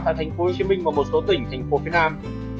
tại thành phố hồ chí minh và một số tỉnh thành phố phía nam